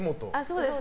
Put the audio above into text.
そうです。